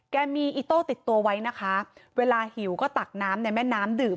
มีอิโต้ติดตัวไว้นะคะเวลาหิวก็ตักน้ำในแม่น้ำดื่ม